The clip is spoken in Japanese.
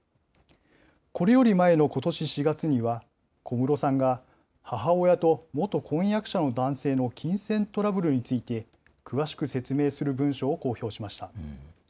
これより前のことし４月には、小室さんが、母親と元婚約者の男性の金銭トラブルについて、詳しく説明する文書を公表しました。